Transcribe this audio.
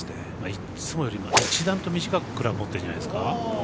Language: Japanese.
いつもより一段と短くクラブ持ってるんじゃないですか？